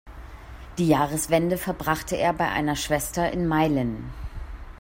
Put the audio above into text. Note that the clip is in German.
Die Jahreswende verbrachte er bei einer Schwester in Meilen.